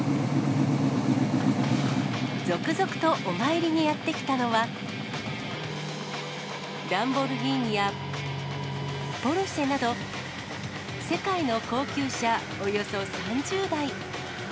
続々とお参りにやって来たのは、ランボルギーニやポルシェなど、世界の高級車およそ３０台。